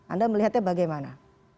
anda melihatnya bagaimana